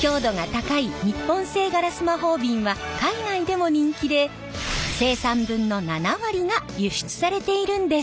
強度が高い日本製ガラス魔法瓶は海外でも人気で生産分の７割が輸出されているんです。